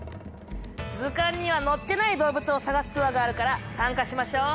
図鑑にはのってない動物を探すツアーがあるから参加しましょう。